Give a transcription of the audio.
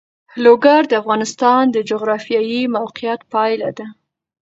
لوگر د افغانستان د جغرافیایي موقیعت پایله ده.